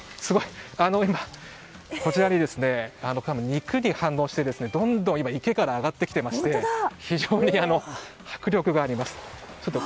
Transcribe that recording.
今、肉に反応してどんどん池から上がってきていまして非常に迫力があります。